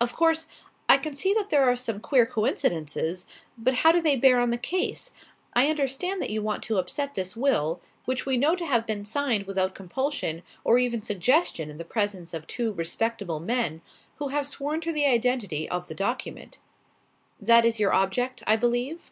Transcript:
"Of course, I can see that there are some queer coincidences. But how do they bear on the case? I understand that you want to upset this will; which we know to have been signed without compulsion or even suggestion in the presence of two respectable men, who have sworn to the identity of the document. That is your object, I believe?"